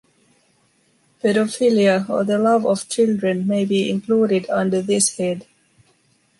Pedophilia or the love of children may be included under this head.